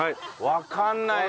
わかんない。